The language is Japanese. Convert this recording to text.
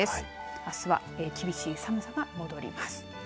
あすは厳しい寒さが戻ります。